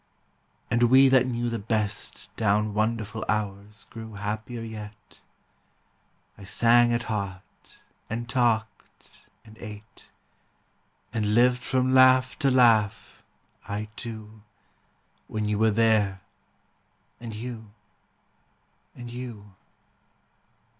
And we that knew the best Rupert Down wonderful hours grew happier yet. Brooke I sang at heart, and talked, and eat, And lived from laugh to laugh, I too, When you were there, and you, and you.